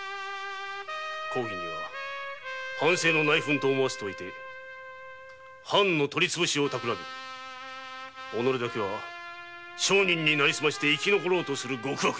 公儀には藩政の内紛と思わせて藩の取りつぶしをたくらみおのれだけは商人になりすまして生き残ろうとする極悪人。